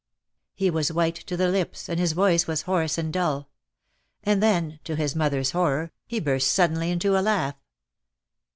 He was white to the lips, and his voice was hoarse and dull. And then, to his mother's horror, he burst suddenly into a laugh.